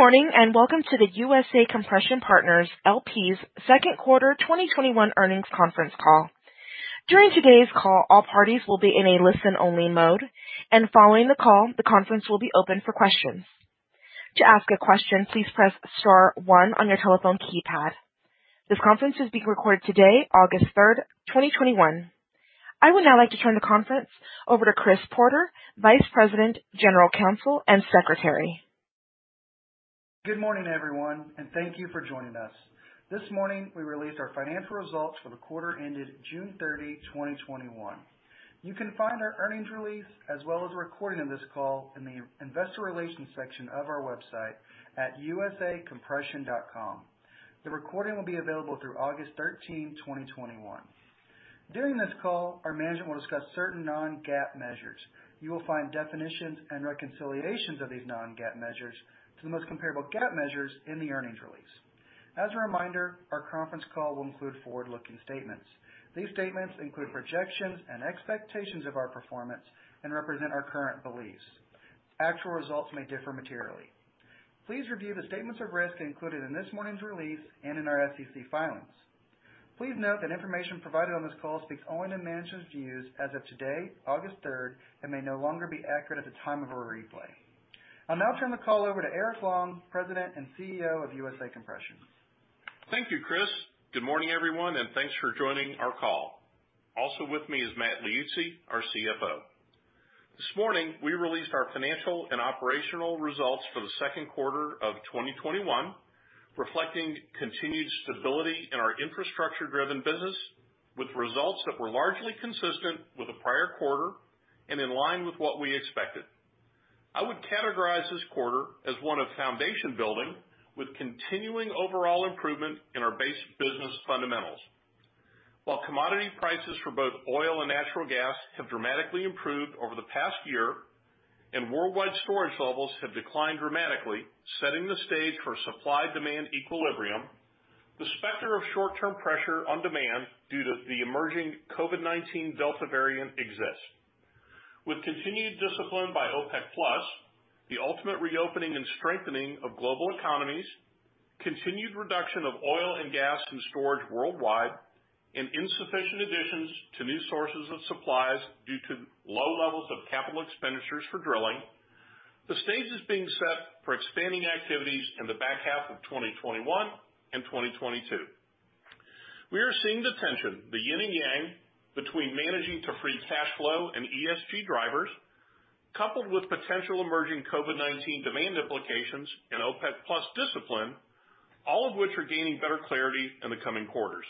Good morning, welcome to the USA Compression Partners, LP's second quarter 2021 earnings conference call. During today's call, all parties will be in a listen-only mode. Following the call, the conference will be open for questions. To ask a question, please press star one on your telephone keypad. This conference is being recorded today, August 3rd, 2021. I would now like to turn the conference over to Chris Porter, Vice President, General Counsel and Secretary. Good morning, everyone, and thank you for joining us. This morning, we released our financial results for the quarter ended June 30, 2021. You can find our earnings release, as well as a recording of this call in the investor relations section of our website at usacompression.com. The recording will be available through August 13, 2021. During this call, our management will discuss certain non-GAAP measures. You will find definitions and reconciliations of these non-GAAP measures to the most comparable GAAP measures in the earnings release. As a reminder, our conference call will include forward-looking statements. These statements include projections and expectations of our performance and represent our current beliefs. Actual results may differ materially. Please review the statements of risk included in this morning's release and in our SEC filings. Please note that information provided on this call speaks only to management's views as of today, August 3rd, and may no longer be accurate at the time of a replay. I'll now turn the call over to Eric Long, President and CEO of USA Compression. Thank you, Chris. Good morning, everyone, and thanks for joining our call. Also with me is Matt Liuzzi, our CFO. This morning, we released our financial and operational results for the second quarter of 2021, reflecting continued stability in our infrastructure-driven business with results that were largely consistent with the prior quarter and in line with what we expected. I would categorize this quarter as one of foundation building with continuing overall improvement in our base business fundamentals. While commodity prices for both oil and natural gas have dramatically improved over the past year and worldwide storage levels have declined dramatically, setting the stage for supply-demand equilibrium, the specter of short-term pressure on demand due to the emerging COVID-19 Delta variant exists. With continued discipline by OPEC+, the ultimate reopening and strengthening of global economies, continued reduction of oil and gas in storage worldwide, and insufficient additions to new sources of supplies due to low levels of capital expenditures for drilling, the stage is being set for expanding activities in the back half of 2021 and 2022. We are seeing the tension, the yin and yang between managing to free cash flow and ESG drivers, coupled with potential emerging COVID-19 demand implications and OPEC+ discipline, all of which are gaining better clarity in the coming quarters.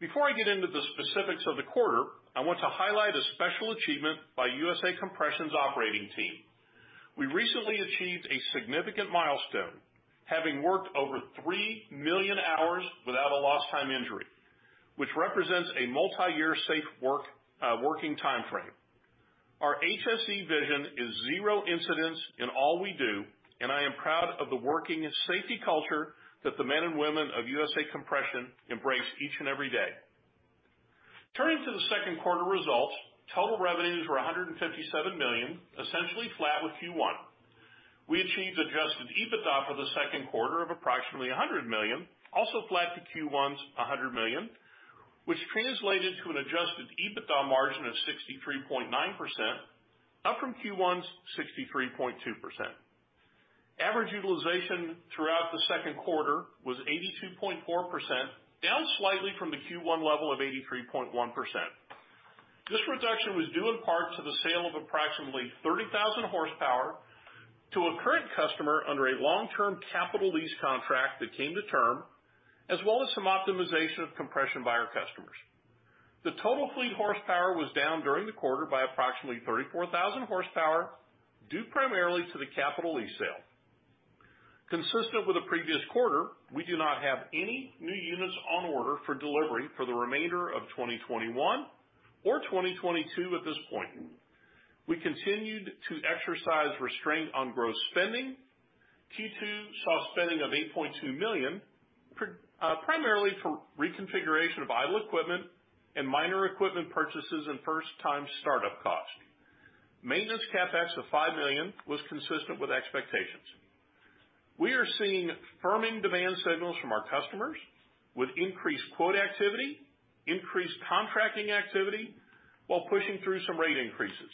Before I get into the specifics of the quarter, I want to highlight a special achievement by USA Compression's operating team. We recently achieved a significant milestone, having worked over 3 million hours without a lost time injury, which represents a multiyear safe working timeframe. Our HSE vision is zero incidents in all we do, and I am proud of the working safety culture that the men and women of USA Compression embrace each and every day. Turning to the second quarter results, total revenues were $157 million, essentially flat with Q1. We achieved Adjusted EBITDA for the second quarter of approximately $100 million, also flat to Q1's $100 million, which translated to an Adjusted EBITDA margin of 63.9%, up from Q1's 63.2%. Average utilization throughout the second quarter was 82.4%, down slightly from the Q1 level of 83.1%. This reduction was due in part to the sale of approximately 30,000 hp to a current customer under a long-term capital lease contract that came to term, as well as some optimization of compression by our customers. The total fleet horsepower was down during the quarter by approximately 34,000 hp, due primarily to the capital lease sale. Consistent with the previous quarter, we do not have any new units on order for delivery for the remainder of 2021 or 2022 at this point. We continued to exercise restraint on gross spending. Q2 saw spending of $8.2 million, primarily for reconfiguration of idle equipment and minor equipment purchases and first-time startup costs. Maintenance CapEx of $5 million was consistent with expectations. We are seeing firming demand signals from our customers with increased quote activity, increased contracting activity while pushing through some rate increases.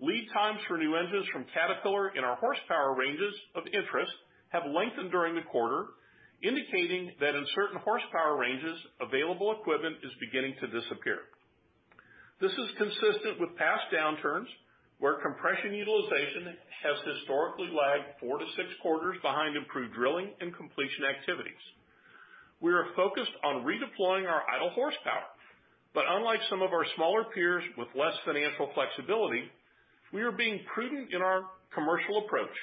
Lead times for new engines from Caterpillar in our horsepower ranges of interest have lengthened during the quarter, indicating that in certain horsepower ranges, available equipment is beginning to disappear. This is consistent with past downturns, where compression utilization has historically lagged four to six quarters behind improved drilling and completion activities. We are focused on redeploying our idle horsepower. Unlike some of our smaller peers with less financial flexibility, we are being prudent in our commercial approach,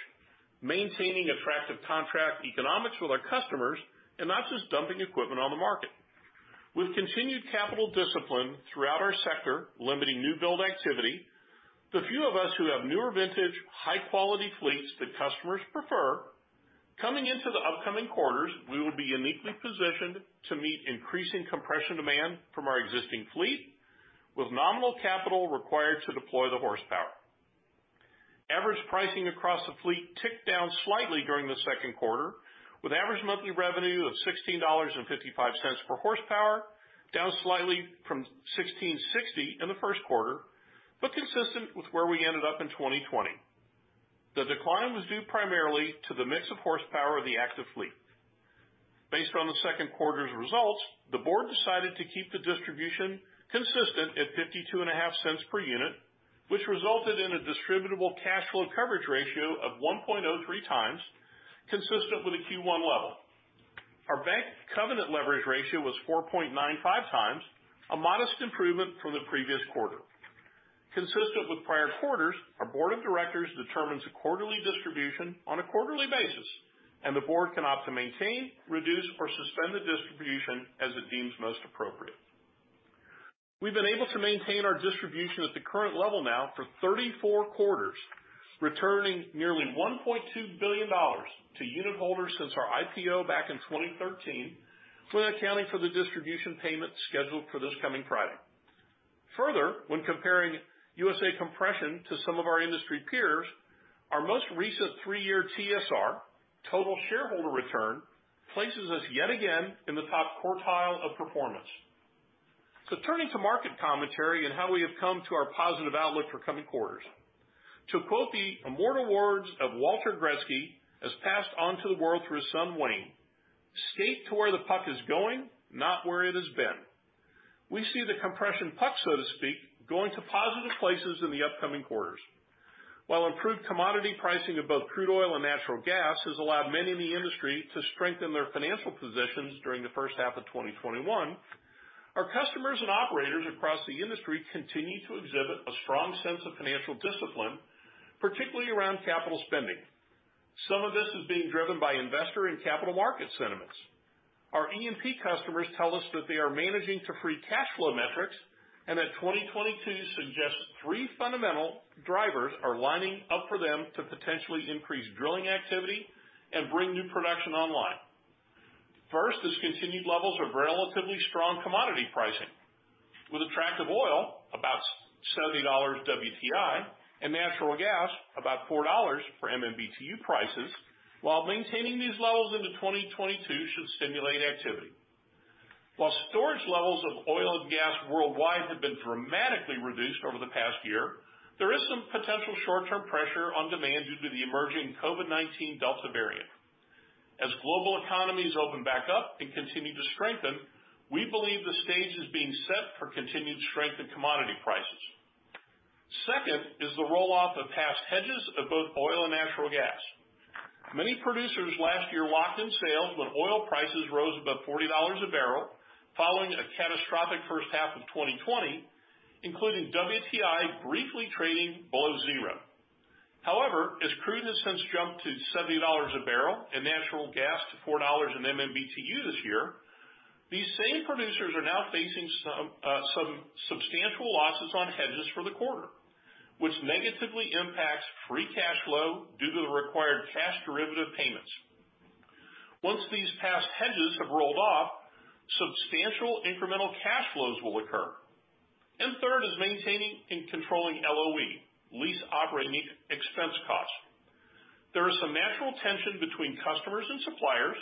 maintaining attractive contract economics with our customers and not just dumping equipment on the market. With continued capital discipline throughout our sector limiting new build activity, the few of us who have newer vintage, high-quality fleets that customers prefer, coming into the upcoming quarters, we will be uniquely positioned to meet increasing compression demand from our existing fleet. With nominal capital required to deploy the horsepower. Average pricing across the fleet ticked down slightly during the second quarter, with average monthly revenue of $16.55 per horsepower, down slightly from $16.60 in the first quarter, but consistent with where we ended up in 2020. The decline was due primarily to the mix of horsepower of the active fleet. Based on the second quarter's results, the Board decided to keep the distribution consistent at $0.525 per unit, which resulted in a distributable cash flow coverage ratio of 1.03x, consistent with the Q1 level. Our bank covenant leverage ratio was 4.95x, a modest improvement from the previous quarter. Consistent with prior quarters, our Board of Directors determines a quarterly distribution on a quarterly basis, and the Board can opt to maintain, reduce, or suspend the distribution as it deems most appropriate. We've been able to maintain our distribution at the current level now for 34 quarters, returning nearly $1.2 billion to unit holders since our IPO back in 2013. Fully accounting for the distribution payment scheduled for this coming Friday. When comparing USA Compression to some of our industry peers, our most recent three-year TSR, total shareholder return, places us yet again in the top quartile of performance. Turning to market commentary and how we have come to our positive outlook for coming quarters. To quote the immortal words of Walter Gretzky, as passed on to the world through his son, Wayne, "Skate to where the puck is going, not where it has been." We see the compression puck, so to speak, going to positive places in the upcoming quarters. While improved commodity pricing of both crude oil and natural gas has allowed many in the industry to strengthen their financial positions during the first half of 2021, our customers and operators across the industry continue to exhibit a strong sense of financial discipline, particularly around capital spending. Some of this is being driven by investor and capital market sentiments. Our E&P customers tell us that they are managing to free cash flow metrics, and that 2022 suggests three fundamental drivers are lining up for them to potentially increase drilling activity and bring new production online. First is continued levels of relatively strong commodity pricing. With attractive oil about $70 WTI and natural gas about $4 for MMBtu prices, while maintaining these levels into 2022 should stimulate activity. While storage levels of oil and gas worldwide have been dramatically reduced over the past year, there is some potential short-term pressure on demand due to the emerging COVID-19 Delta variant. As global economies open back up and continue to strengthen, we believe the stage is being set for continued strength in commodity prices. Second is the roll-off of past hedges of both oil and natural gas. Many producers last year locked in sales when oil prices rose above $40 a barrel, following a catastrophic first half of 2020, including WTI briefly trading below zero. However, as crude has since jumped to $70 a barrel and natural gas to $4 in MMBtu this year, these same producers are now facing some substantial losses on hedges for the quarter, which negatively impacts free cash flow due to the required cash derivative payments. Once these past hedges have rolled off, substantial incremental cash flows will occur. Third is maintaining and controlling LOE, lease operating expense cost. There is some natural tension between customers and suppliers,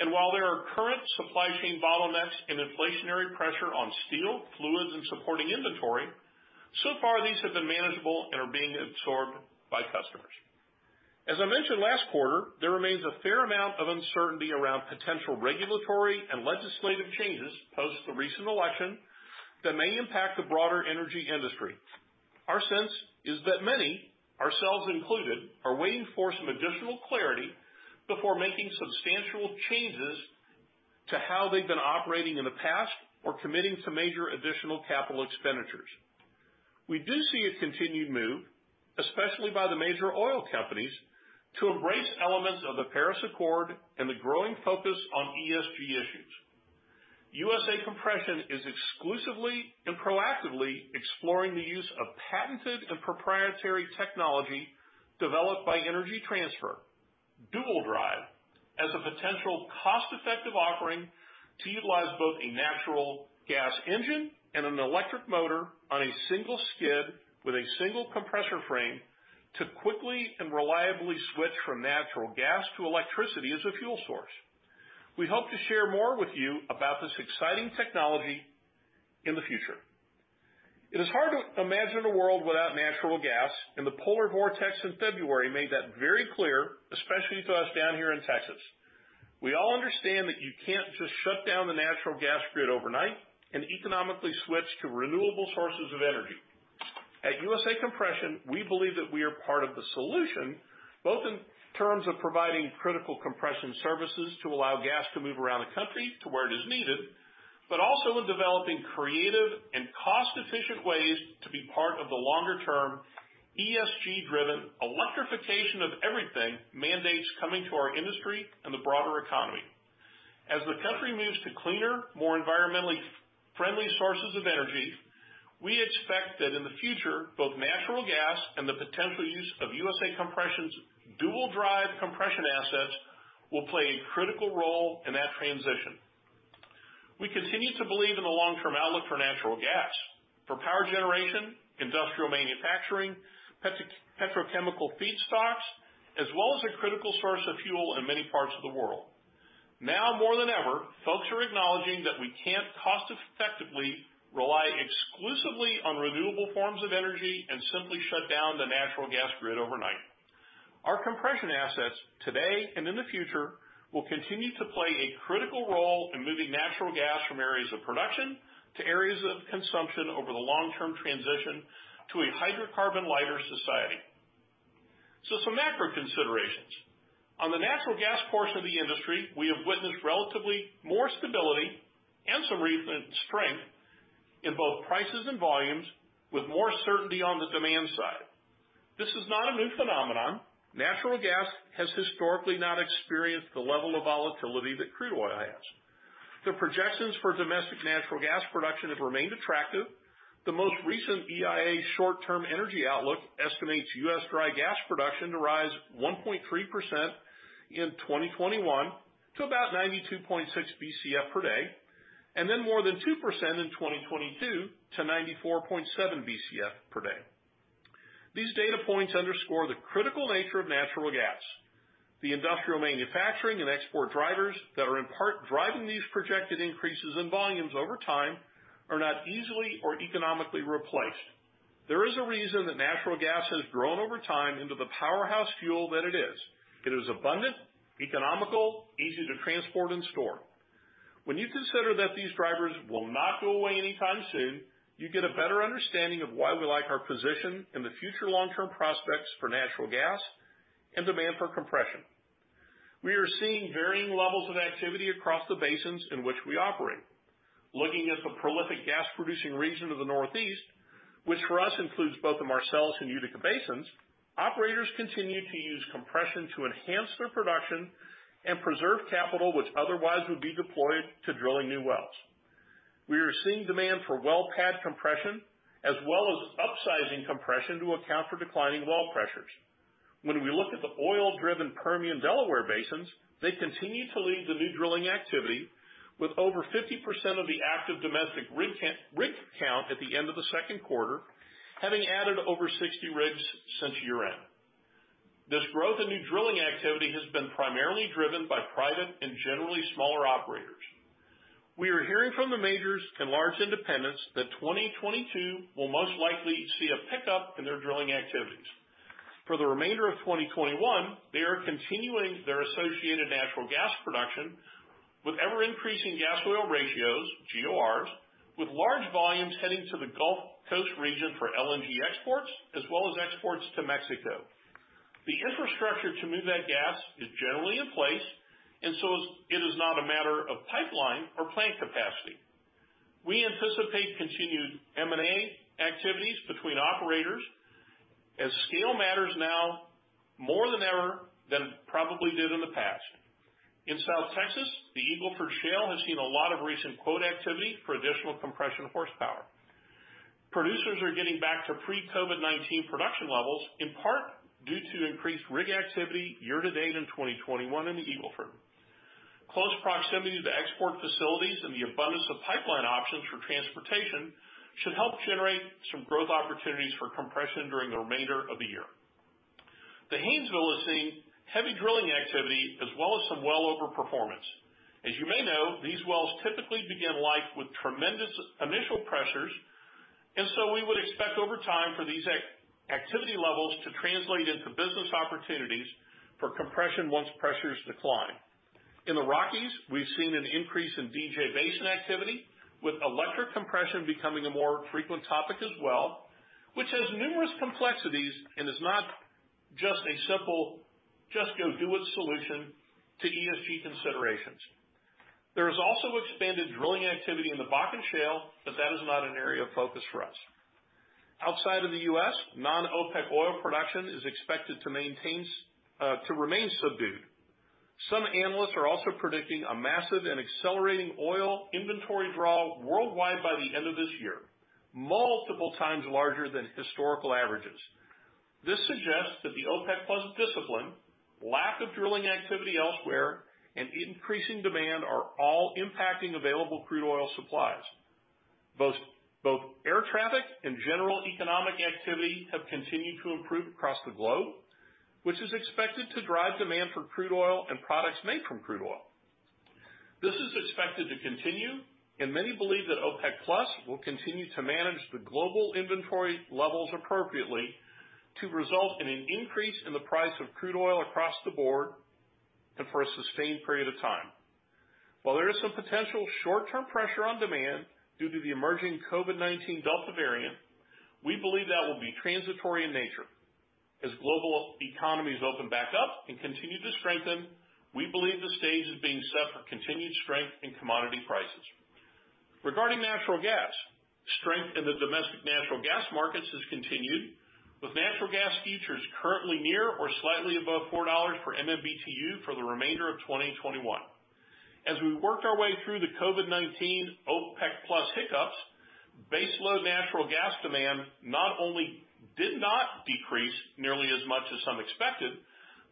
and while there are current supply chain bottlenecks and inflationary pressure on steel, fluids, and supporting inventory, so far these have been manageable and are being absorbed by customers. As I mentioned last quarter, there remains a fair amount of uncertainty around potential regulatory and legislative changes post the recent election that may impact the broader energy industry. Our sense is that many, ourselves included, are waiting for some additional clarity before making substantial changes to how they've been operating in the past or committing to major additional capital expenditures. We do see a continued move, especially by the major oil companies, to embrace elements of the Paris Agreement and the growing focus on ESG issues. USA Compression is exclusively and proactively exploring the use of patented and proprietary technology developed by Energy Transfer, Dual Drive, as a potential cost-effective offering to utilize both a natural gas engine and an electric motor on a single skid with a single compressor frame to quickly and reliably switch from natural gas to electricity as a fuel source. We hope to share more with you about this exciting technology in the future. It is hard to imagine a world without natural gas, and the polar vortex in February made that very clear, especially to us down here in Texas. We all understand that you can't just shut down the natural gas grid overnight and economically switch to renewable sources of energy. At USA Compression, we believe that we are part of the solution, both in terms of providing critical compression services to allow gas to move around the country to where it is needed, but also in developing creative and cost-efficient ways to be part of the longer-term, ESG-driven, electrification of everything mandates coming to our industry and the broader economy. As the country moves to cleaner, more environmentally friendly sources of energy, we expect that in the future, both natural gas and the potential use of USA Compression's Dual Drive compression assets will play a critical role in that transition. We continue to believe in the long-term outlook for natural gas, for power generation, industrial manufacturing, petrochemical feedstocks, as well as a critical source of fuel in many parts of the world. Now more than ever, folks are acknowledging that we can't cost effectively rely exclusively on renewable forms of energy and simply shut down the natural gas grid overnight. Our compression assets, today and in the future, will continue to play a critical role in moving natural gas from areas of production to areas of consumption over the long-term transition to a hydrocarbon lighter society. Some macro considerations. On the natural gas portion of the industry, we have witnessed relatively more stability and some recent strength in both prices and volumes, with more certainty on the demand side. This is not a new phenomenon. Natural gas has historically not experienced the level of volatility that crude oil has. The projections for domestic natural gas production have remained attractive. The most recent EIA Short-Term Energy Outlook estimates U.S. dry gas production to rise 1.3% in 2021 to about 92.6 Bcf/d, and then more than 2% in 2022 to 94.7 Bcf/d. These data points underscore the critical nature of natural gas. The industrial manufacturing and export drivers that are in part driving these projected increases in volumes over time are not easily or economically replaced. There is a reason that natural gas has grown over time into the powerhouse fuel that it is. It is abundant, economical, easy to transport and store. When you consider that these drivers will not go away anytime soon, you get a better understanding of why we like our position in the future long-term prospects for natural gas and demand for compression. We are seeing varying levels of activity across the basins in which we operate. Looking at the prolific gas producing region of the Northeast, which for us includes both the Marcellus and Utica basins, operators continue to use compression to enhance their production and preserve capital, which otherwise would be deployed to drilling new wells. We are seeing demand for well pad compression, as well as upsizing compression to account for declining well pressures. When we look at the oil-driven Permian Delaware basins, they continue to lead the new drilling activity with over 50% of the active domestic rig count at the end of the second quarter, having added over 60 rigs since year-end. This growth in new drilling activity has been primarily driven by private and generally smaller operators. We are hearing from the majors and large independents that 2022 will most likely see a pickup in their drilling activities. For the remainder of 2021, they are continuing their associated natural gas production with ever-increasing gas-to-oil ratios, GORs, with large volumes heading to the Gulf Coast region for LNG exports, as well as exports to Mexico. The infrastructure to move that gas is generally in place, and so it is not a matter of pipeline or plant capacity. We anticipate continued M&A activities between operators as scale matters now more than ever than it probably did in the past. In South Texas, the Eagle Ford Shale has seen a lot of recent quote activity for additional compression horsepower. Producers are getting back to pre-COVID-19 production levels, in part due to increased rig activity year-to-date in 2021 in the Eagle Ford. Close proximity to export facilities and the abundance of pipeline options for transportation should help generate some growth opportunities for compression during the remainder of the year. The Haynesville is seeing heavy drilling activity as well as some well overperformance. As you may know, these wells typically begin life with tremendous initial pressures, and so we would expect over time for these activity levels to translate into business opportunities for compression once pressures decline. In the Rockies, we've seen an increase in DJ Basin activity, with electric compression becoming a more frequent topic as well, which has numerous complexities and is not just a simple, just go do it solution to ESG considerations. There is also expanded drilling activity in the Bakken Shale, but that is not an area of focus for us. Outside of the U.S., non-OPEC oil production is expected to remain subdued. Some analysts are also predicting a massive and accelerating oil inventory draw worldwide by the end of this year, multiple times larger than historical averages. This suggests that the OPEC+ discipline, lack of drilling activity elsewhere, and increasing demand are all impacting available crude oil supplies. Both air traffic and general economic activity have continued to improve across the globe, which is expected to drive demand for crude oil and products made from crude oil. This is expected to continue. Many believe that OPEC+ will continue to manage the global inventory levels appropriately to result in an increase in the price of crude oil across the board, and for a sustained period of time. While there is some potential short-term pressure on demand due to the emerging COVID-19 Delta variant, we believe that will be transitory in nature. As global economies open back up and continue to strengthen, we believe the stage is being set for continued strength in commodity prices. Regarding natural gas, strength in the domestic natural gas markets has continued, with natural gas futures currently near or slightly above $4 per MMBtu for the remainder of 2021. As we worked our way through the COVID-19 OPEC+ hiccups, baseload natural gas demand not only did not decrease nearly as much as some expected,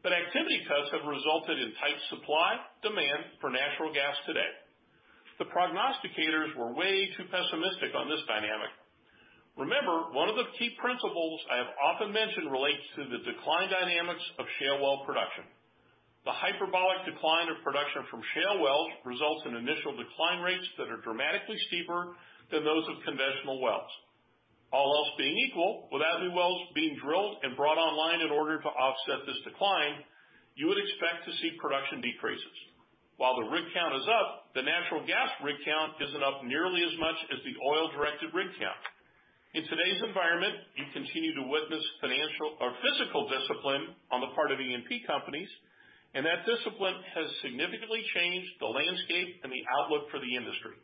but activity cuts have resulted in tight supply demand for natural gas today. The prognosticators were way too pessimistic on this dynamic. Remember, one of the key principles I have often mentioned relates to the decline dynamics of shale well production. The hyperbolic decline of production from shale wells results in initial decline rates that are dramatically steeper than those of conventional wells. All else being equal, without new wells being drilled and brought online in order to offset this decline, you would expect to see production decreases. While the rig count is up, the natural gas rig count isn't up nearly as much as the oil-directed rig count. In today's environment, you continue to witness financial or physical discipline on the part of E&P companies, and that discipline has significantly changed the landscape and the outlook for the industry.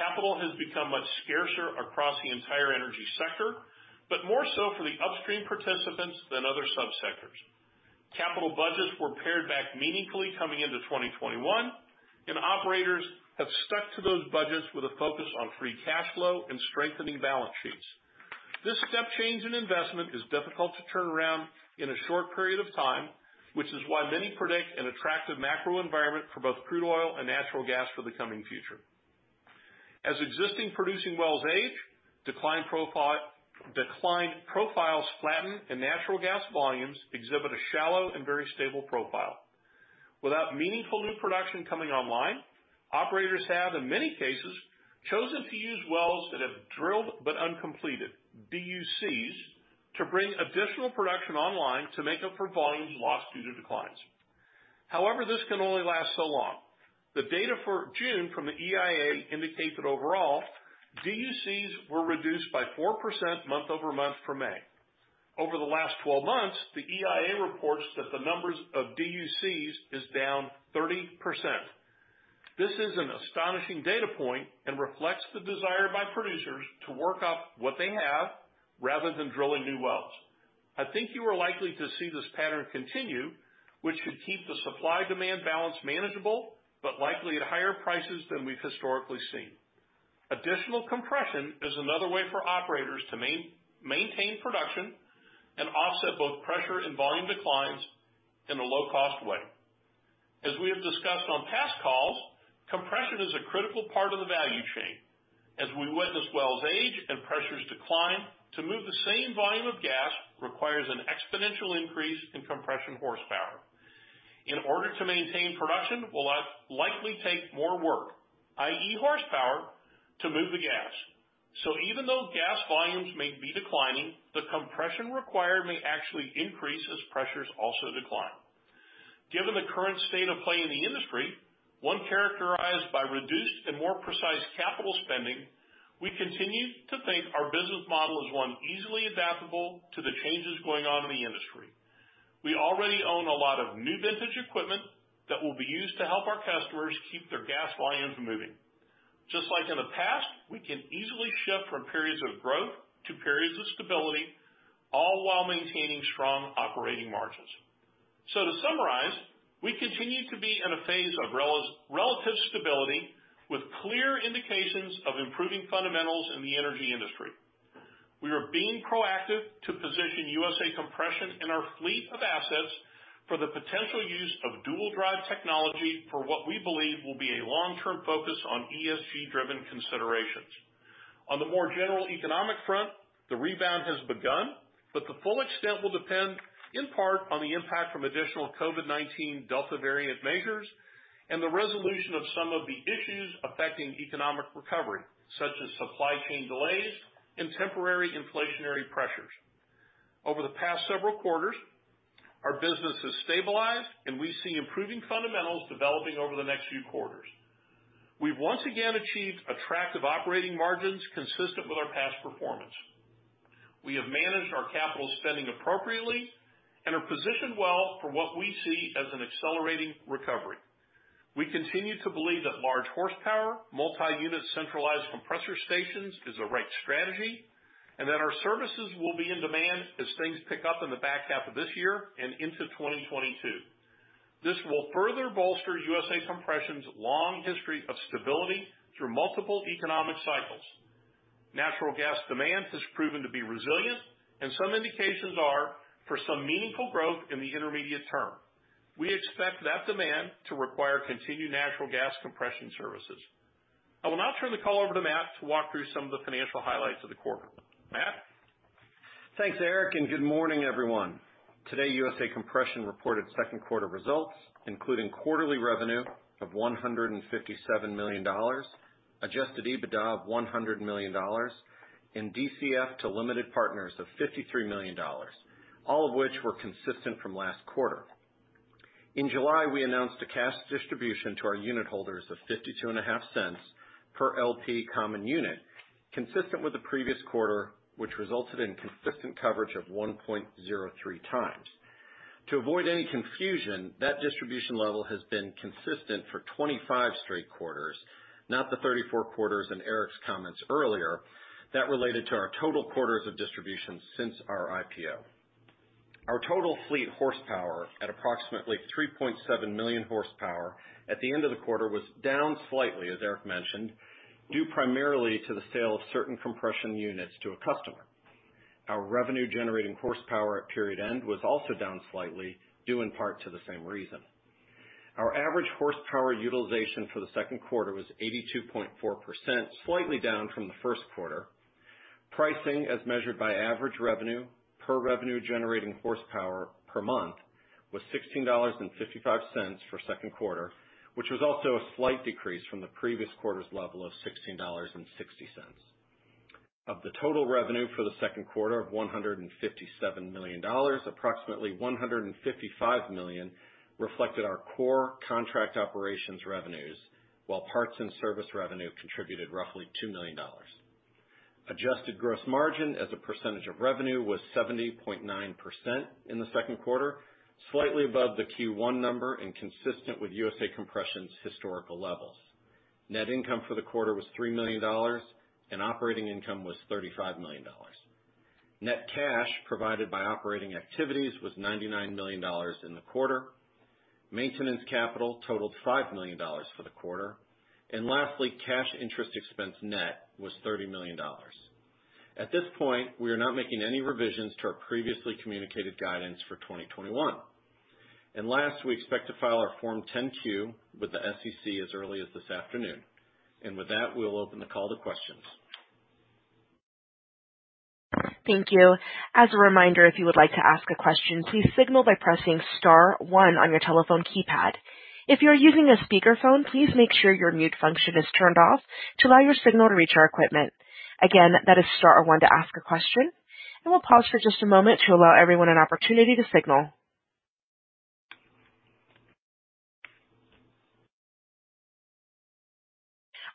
Capital has become much scarcer across the entire energy sector, but more so for the upstream participants than other sub-sectors. Capital budgets were pared back meaningfully coming into 2021, and operators have stuck to those budgets with a focus on free cash flow and strengthening balance sheets. This step change in investment is difficult to turn around in a short period of time, which is why many predict an attractive macro environment for both crude oil and natural gas for the coming future. As existing producing wells age, decline profiles flatten and natural gas volumes exhibit a shallow and very stable profile. Without meaningful new production coming online, operators have, in many cases, chosen to use wells that have drilled but uncompleted, DUCs, to bring additional production online to make up for volumes lost due to declines. However, this can only last so long. The data for June from the EIA indicate that overall, DUCs were reduced by 4% month-over-month from May. Over the last 12 months, the EIA reports that the numbers of DUCs is down 30%. This is an astonishing data point and reflects the desire by producers to work off what they have rather than drilling new wells. I think you are likely to see this pattern continue, which should keep the supply-demand balance manageable, but likely at higher prices than we've historically seen. Additional compression is another way for operators to maintain production and offset both pressure and volume declines in a low-cost way. As we have discussed on past calls, compression is a critical part of the value chain. As we witness wells age and pressures decline, to move the same volume of gas requires an exponential increase in compression horsepower. In order to maintain production, we'll likely take more work, i.e. horsepower, to move the gas. Even though gas volumes may be declining, the compression required may actually increase as pressures also decline. Given the current state of play in the industry, one characterized by reduced and more precise capital spending, we continue to think our business model is one easily adaptable to the changes going on in the industry. We already own a lot of new vintage equipment that will be used to help our customers keep their gas volumes moving. Just like in the past, we can easily shift from periods of growth to periods of stability, all while maintaining strong operating margins. To summarize, we continue to be in a phase of relative stability with clear indications of improving fundamentals in the energy industry. We are being proactive to position USA Compression and our fleet of assets for the potential use of Dual Drive technology for what we believe will be a long-term focus on ESG-driven considerations. On the more general economic front, the rebound has begun, but the full extent will depend in part on the impact from additional COVID-19 Delta variant measures and the resolution of some of the issues affecting economic recovery, such as supply chain delays and temporary inflationary pressures. Over the past several quarters, our business has stabilized, and we see improving fundamentals developing over the next few quarters. We've once again achieved attractive operating margins consistent with our past performance. We have managed our capital spending appropriately and are positioned well for what we see as an accelerating recovery. We continue to believe that large horsepower, multi-unit centralized compressor stations is the right strategy, and that our services will be in demand as things pick up in the back half of this year and into 2022. This will further bolster USA Compression's long history of stability through multiple economic cycles. Natural gas demand has proven to be resilient, and some indications are for some meaningful growth in the intermediate term. We expect that demand to require continued natural gas compression services. I will now turn the call over to Matt to walk through some of the financial highlights of the quarter. Matt? Thanks, Eric, good morning, everyone. Today, USA Compression reported second quarter results, including quarterly revenue of $157 million, Adjusted EBITDA of $100 million, and DCF to limited partners of $53 million, all of which were consistent from last quarter. In July, we announced a cash distribution to our unit holders of $0.525 per LP common unit, consistent with the previous quarter, which resulted in consistent coverage of 1.03x. To avoid any confusion, that distribution level has been consistent for 25 straight quarters, not the 34 quarters in Eric's comments earlier that related to our total quarters of distribution since our IPO. Our total fleet horsepower at approximately 3.7 million hp at the end of the quarter was down slightly, as Eric mentioned, due primarily to the sale of certain compression units to a customer. Our revenue generating horsepower at period end was also down slightly, due in part to the same reason. Our average horsepower utilization for the second quarter was 82.4%, slightly down from the first quarter. Pricing, as measured by average revenue per revenue generating horsepower per month, was $16.55 for second quarter, which was also a slight decrease from the previous quarter's level of $16.60. Of the total revenue for the second quarter of $157 million, approximately $155 million reflected our core contract operations revenues, while parts and service revenue contributed roughly $2 million. Adjusted gross margin as a percentage of revenue was 70.9% in the second quarter, slightly above the Q1 number and consistent with USA Compression's historical levels. Net income for the quarter was $3 million, and operating income was $35 million. Net cash provided by operating activities was $99 million in the quarter. Maintenance capital totaled $5 million for the quarter. Lastly, cash interest expense net was $30 million. At this point, we are not making any revisions to our previously communicated guidance for 2021. Last, we expect to file our Form 10-Q with the SEC as early as this afternoon. With that, we'll open the call to questions. Thank you. As a reminder, if you would like to ask a question, please signal by pressing star one on your telephone keypad. If you are using a speakerphone, please make sure your mute function is turned off to allow your signal to reach our equipment. Again, that is star one to ask a question. We'll pause for just a moment to allow everyone an opportunity to signal.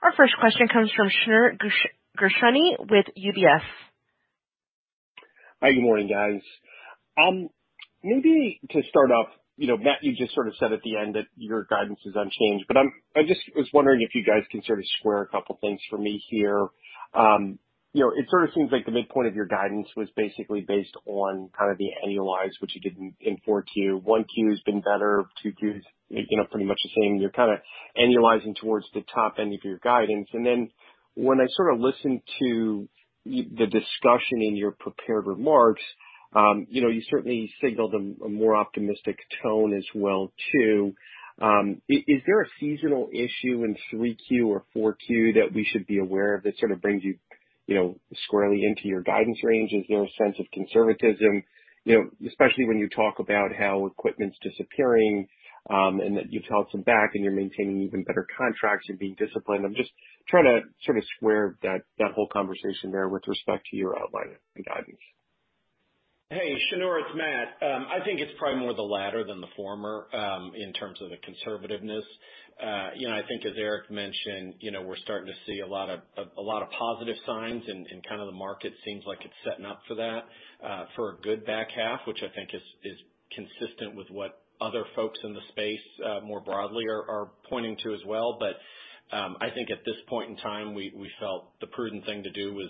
Our first question comes from Shneur Gershuni with UBS. Hi, good morning, guys. Maybe to start off, Matt, you just sort of said at the end that your guidance is unchanged. I just was wondering if you guys can sort of square a couple things for me here. It sort of seems like the midpoint of your guidance was basically based on kind of the annualize, which you did in 4Q. 1Q has been better. 2Q's pretty much the same. You're kind of annualizing towards the top end of your guidance. When I sort of listen to the discussion in your prepared remarks, you certainly signaled a more optimistic tone as well, too. Is there a seasonal issue in 3Q or 4Q that we should be aware of that sort of brings you squarely into your guidance range? Is there a sense of conservatism, especially when you talk about how equipment's disappearing, and that you've held some back and you're maintaining even better contracts and being disciplined? I'm just trying to sort of square that whole conversation there with respect to your outline and guidance. Hey, Shneur, it's Matt. I think it's probably more the latter than the former, in terms of the conservativeness. I think as Eric mentioned, we're starting to see a lot of positive signs and kind of the market seems like it's setting up for that, for a good back half, which I think is consistent with what other folks in the space more broadly are pointing to as well. I think at this point in time, we felt the prudent thing to do was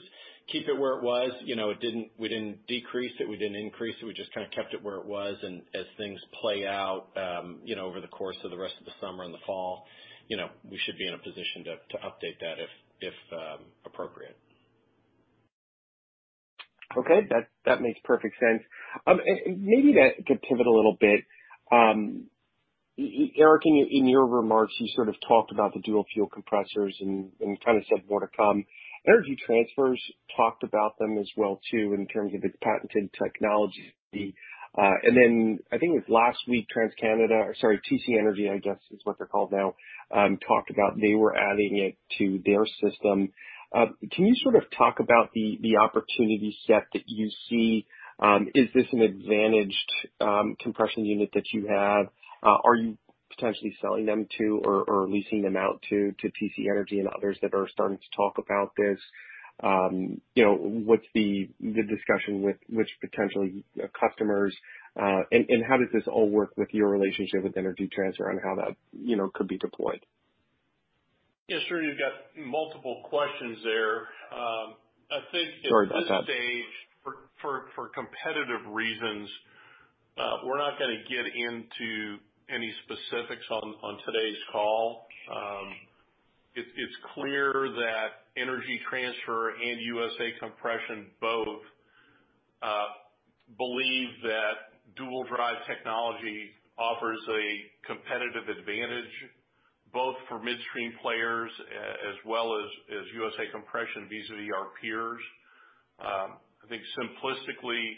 keep it where it was. We didn't decrease it. We didn't increase it. We just kind of kept it where it was. As things play out over the course of the rest of the summer and the fall, we should be in a position to update that if appropriate. Okay. That makes perfect sense. Maybe to pivot a little bit. Eric, in your remarks, you sort of talked about the dual fuel compressors and kind of said more to come. Energy Transfer talked about them as well too, in terms of its patented technology. Then I think it was last week, TransCanada or sorry, TC Energy, I guess is what they're called now, talked about they were adding it to their system. Can you sort of talk about the opportunity set that you see? Is this an advantaged compression unit that you have? Are you potentially selling them to or leasing them out to TC Energy and others that are starting to talk about this? What's the discussion with which potential customers, and how does this all work with your relationship with Energy Transfer on how that could be deployed? Yeah, sure. You've got multiple questions there. Sorry about that. I think at this stage, for competitive reasons, we're not going to get into any specifics on today's call. It's clear that Energy Transfer and USA Compression both believe that Dual Drive technology offers a competitive advantage, both for midstream players as well as USA Compression vis-à-vis our peers. I think simplistically,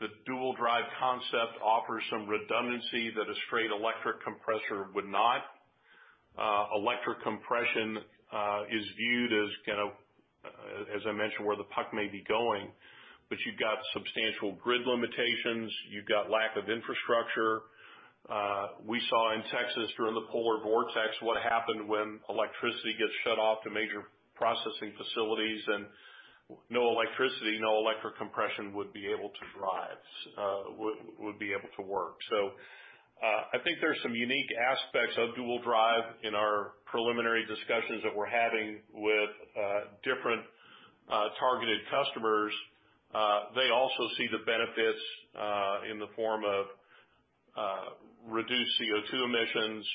the Dual Drive concept offers some redundancy that a straight electric compressor would not. Electric compression is viewed as kind of, as I mentioned, where the puck may be going, but you've got substantial grid limitations. You've got lack of infrastructure. We saw in Texas during the polar vortex what happened when electricity gets shut off to major processing facilities and no electricity, no electric compression would be able to work. I think there's some unique aspects of Dual Drive in our preliminary discussions that we're having with different-targeted customers, they also see the benefits in the form of reduced CO2 emissions,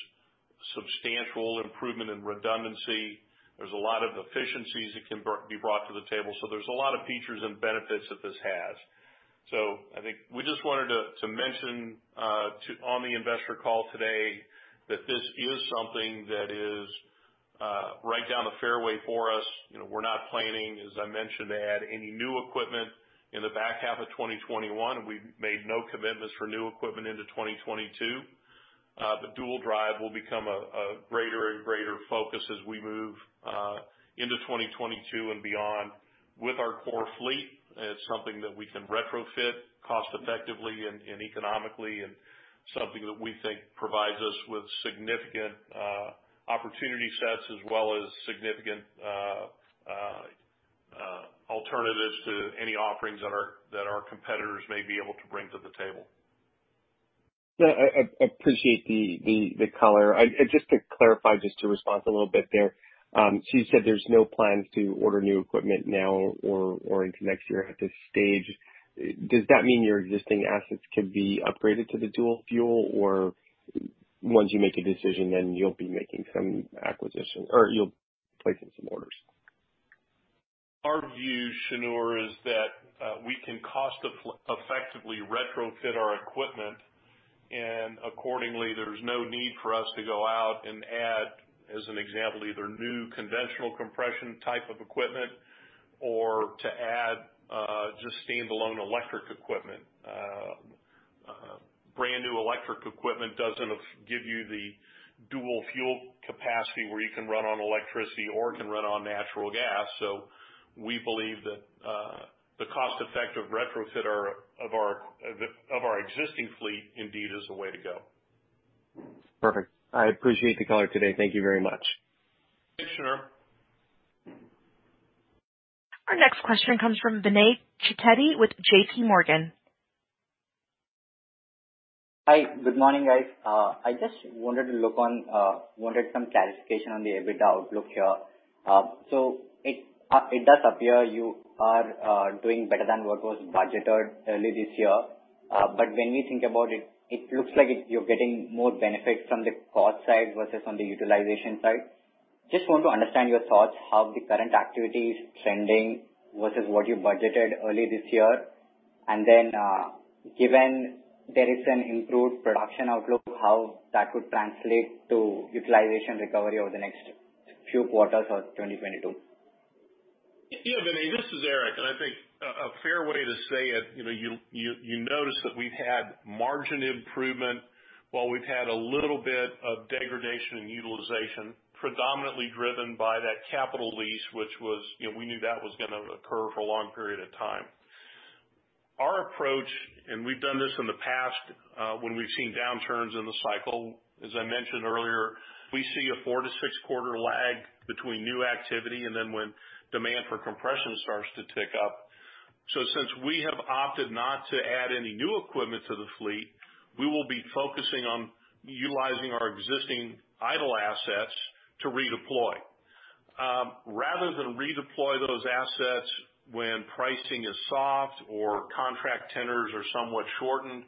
substantial improvement in redundancy. There's a lot of efficiencies that can be brought to the table. There's a lot of features and benefits that this has. I think we just wanted to mention on the investor call today that this is something that is right down the fairway for us. We're not planning, as I mentioned, to add any new equipment in the back half of 2021. We've made no commitments for new equipment into 2022. Dual Drive will become a greater and greater focus as we move into 2022 and beyond with our core fleet. It's something that we can retrofit cost effectively and economically, something that we think provides us with significant opportunity sets as well as significant alternatives to any offerings that our competitors may be able to bring to the table. Yeah. I appreciate the color. Just to clarify, just to respond a little bit there. You said there's no plans to order new equipment now or into next year at this stage. Does that mean your existing assets could be upgraded to the Dual Drive? Or once you make a decision, then you'll be making some acquisition, or you'll place some orders? Our view, Shneur, is that we can cost effectively retrofit our equipment. Accordingly, there's no need for us to go out and add, as an example, either new conventional compression type of equipment or to add just standalone electric equipment. Brand new electric equipment doesn't give you the dual fuel capacity where you can run on electricity or it can run on natural gas. We believe that the cost-effective retrofit of our existing fleet indeed is the way to go. Perfect. I appreciate the color today. Thank you very much. Thanks, Shneur. Our next question comes from Vinay Chitteti with JPMorgan. Hi. Good morning, guys. I just wanted some clarification on the EBITDA outlook here. It does appear you are doing better than what was budgeted early this year. When we think about it looks like you're getting more benefits from the cost side versus on the utilization side. Just want to understand your thoughts, how the current activity is trending versus what you budgeted early this year. Given there is an improved production outlook, how that would translate to utilization recovery over the next few quarters or 2022. Vinay, this is Eric, and I think a fair way to say it, you notice that we've had margin improvement while we've had a little bit of degradation in utilization, predominantly driven by that capital lease, which we knew that was going to occur for a long period of time. Our approach, and we've done this in the past when we've seen downturns in the cycle, as I mentioned earlier, we see a four- to six-quarter lag between new activity and then when demand for compression starts to tick up. Since we have opted not to add any new equipment to the fleet, we will be focusing on utilizing our existing idle assets to redeploy. Rather than redeploy those assets when pricing is soft or contract tenors are somewhat shortened,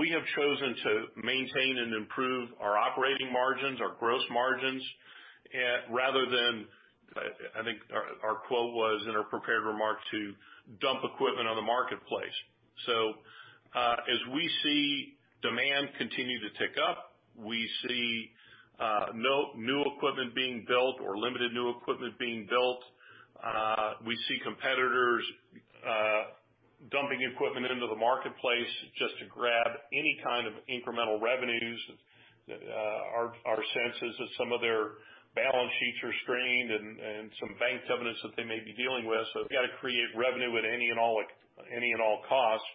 we have chosen to maintain and improve our operating margins, our gross margins, rather than, I think our quote was in our prepared remark, to dump equipment on the marketplace. As we see demand continue to tick up, we see no new equipment being built or limited new equipment being built. We see competitors dumping equipment into the marketplace just to grab any kind of incremental revenues. Our sense is that some of their balance sheets are strained and some bank covenants that they may be dealing with. They got to create revenue at any and all costs.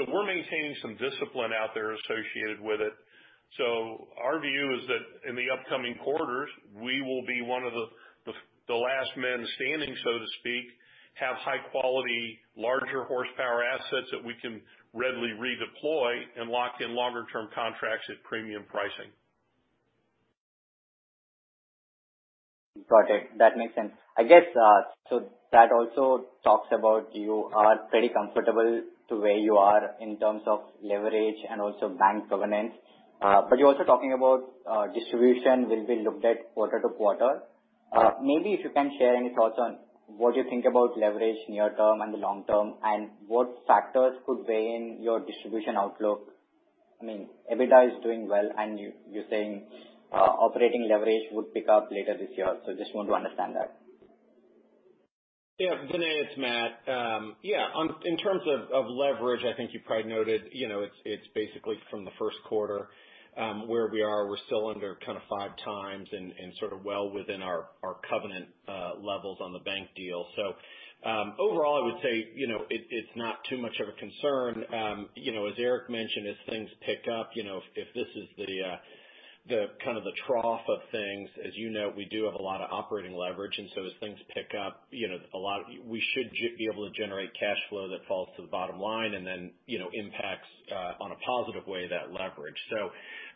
We're maintaining some discipline out there associated with it. Our view is that in the upcoming quarters, we will be one of the last men standing, so to speak, have high quality, larger horsepower assets that we can readily redeploy and lock in longer-term contracts at premium pricing. Got it. That makes sense. I guess, that also talks about you are pretty comfortable to where you are in terms of leverage and also bank covenants. You're also talking about distribution will be looked at quarter-to-quarter. Maybe if you can share any thoughts on what you think about leverage near term and the long term, and what factors could weigh in your distribution outlook. I mean EBITDA is doing well, and you're saying operating leverage would pick up later this year. Just want to understand that. Yeah. Vinay, it's Matt. In terms of leverage, I think you probably noted it's basically from the first quarter where we are. We're still under kind of 5x and sort of well within our covenant levels on the bank deal. Overall, I would say it's not too much of a concern. As Eric mentioned, as things pick up, if this is the kind of the trough of things. As you know, we do have a lot of operating leverage, and so as things pick up, we should be able to generate cash flow that falls to the bottom line and then impacts on a positive way that leverage.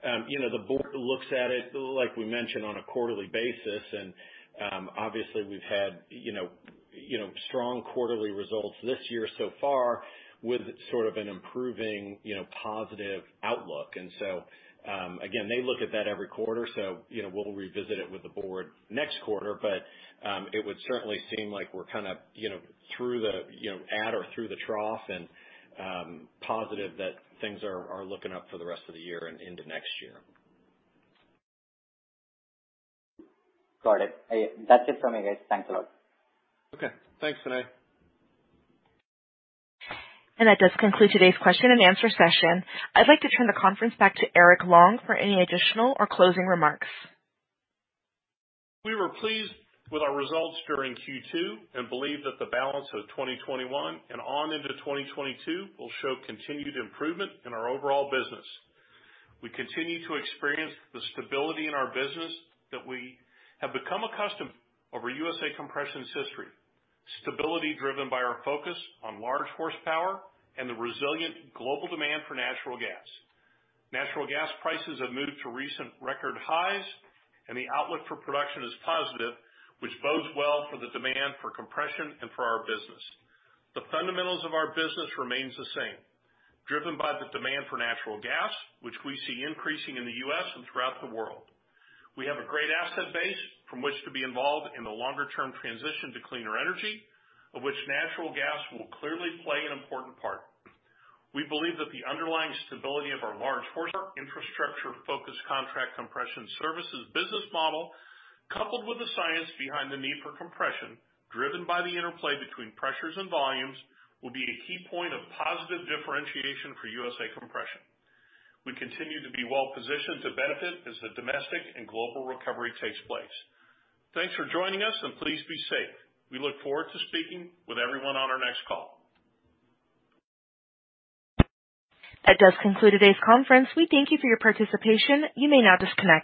The Board looks at it, like we mentioned, on a quarterly basis, and obviously we've had strong quarterly results this year so far with sort of an improving positive outlook. Again, they look at that every quarter, so we'll revisit it with the Board next quarter. It would certainly seem like we're kind of at or through the trough and positive that things are looking up for the rest of the year and into next year. Got it. That's it from me, guys. Thanks a lot. Okay. Thanks, Vinay. That does conclude today's question and answer session. I'd like to turn the conference back to Eric Long for any additional or closing remarks. We were pleased with our results during Q2 and believe that the balance of 2021 and on into 2022 will show continued improvement in our overall business. We continue to experience the stability in our business that we have become accustomed over USA Compression's history, stability driven by our focus on large horsepower and the resilient global demand for natural gas. Natural gas prices have moved to recent record highs, and the outlook for production is positive, which bodes well for the demand for compression and for our business. The fundamentals of our business remains the same, driven by the demand for natural gas, which we see increasing in the U.S. and throughout the world. We have a great asset base from which to be involved in the longer term transition to cleaner energy, of which natural gas will clearly play an important part. We believe that the underlying stability of our large horsepower infrastructure focused contract compression services business model, coupled with the science behind the need for compression, driven by the interplay between pressures and volumes, will be a key point of positive differentiation for USA Compression. We continue to be well positioned to benefit as the domestic and global recovery takes place. Thanks for joining us, and please be safe. We look forward to speaking with everyone on our next call. That does conclude today's conference. We thank you for your participation. You may now disconnect.